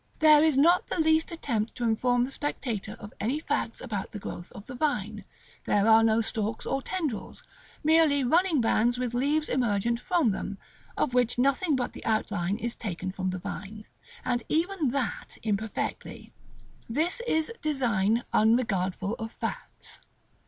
There is not the least attempt to inform the spectator of any facts about the growth of the vine; there are no stalks or tendrils, merely running bands with leaves emergent from them, of which nothing but the outline is taken from the vine, and even that imperfectly. This is design, unregardful of facts.